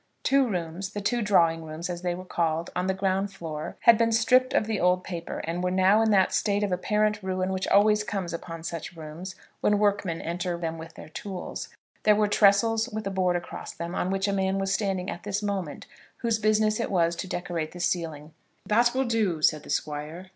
Two rooms, the two drawing rooms as they were called, on the ground floor had been stripped of the old paper, and were now in that state of apparent ruin which always comes upon such rooms when workmen enter them with their tools. There were tressels with a board across them, on which a man was standing at this moment, whose business it was to decorate the ceiling. "That will do," said the Squire.